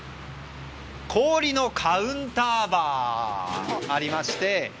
氷のカウンターバーがありまして。